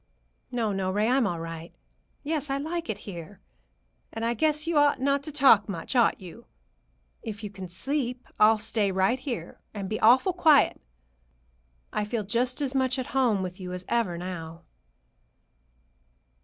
"No, no, Ray. I'm all right. Yes, I like it here. And I guess you ought not to talk much, ought you? If you can sleep, I'll stay right here, and be awful quiet. I feel just as much at home with you as ever, now."